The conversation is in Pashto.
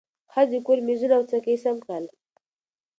ښځه د کور مېزونه او څوکۍ سم کړل